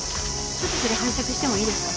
ちょっとそれ拝借してもいいですか？